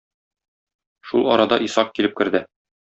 Шул арада Исак килеп керде.